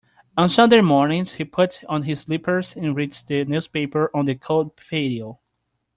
On Sunday mornings, he puts on his slippers and reads the newspaper on the cold patio.